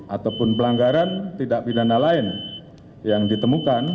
ataupun pelanggaran tidak pidana lain yang ditemukan